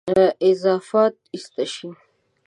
اضافات ایسته شي.